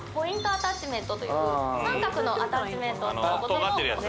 アタッチメントという三角のアタッチメントを使うこともオススメ